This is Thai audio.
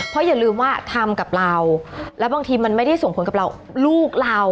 เพราะอย่าลืมว่าทำกับเราแล้วบางทีมันไม่ได้ส่งผลกับเราลูกเรา